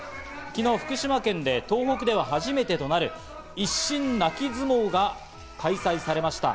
昨日、福島県で、東北では初めてとなる一心泣き相撲が開催されました。